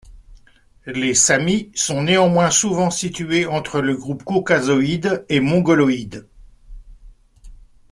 Les samis sont néanmoins souvent situés entre le groupe caucasoïde et mongoloïde.